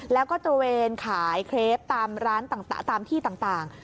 แล้วก็ตรวจขายเคร็ปตามที่ต่าง